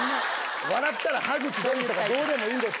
笑ったら歯茎出るとかどうでもいいですよ。